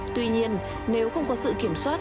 tuy nhiên nếu không có sự kiểm soát